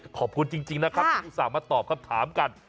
ขอบคุณจริงนะครับคนที่สามารถตอบคำถามกัน